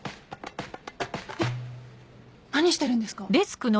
えっ何してるんですか？